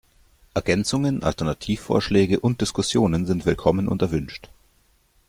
Ergänzungen, Alternativvorschläge und Diskussionen sind willkommen und erwünscht.